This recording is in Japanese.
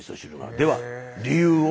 では理由を。